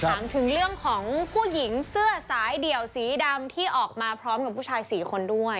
ถามถึงเรื่องของผู้หญิงเสื้อสายเดี่ยวสีดำที่ออกมาพร้อมกับผู้ชาย๔คนด้วย